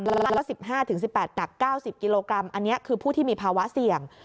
ละลัดละ๑๕๑๘หนัก๙๐กิโลกรัมอันนี้คือผู้ที่มีภาวะเสี่ยง